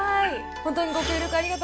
本当にご協力